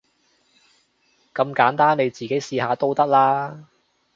咁簡單，你自己試下都得啦